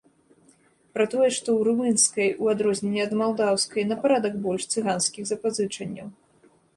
Пра тое, што ў румынскай, у адрозненне ад малдаўскай, на парадак больш цыганскіх запазычанняў.